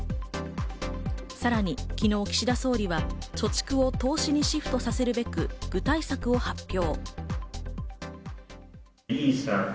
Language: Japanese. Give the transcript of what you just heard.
さらに岸田総理は貯蓄を投資にシフトさせるべく具体策を発表。